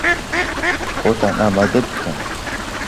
خۆتان ئامادە بکەن!